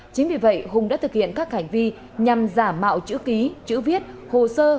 chính vì vậy hùng đã thực hiện các hành vi nhằm giả mạo chữ ký chữ viết hồ sơ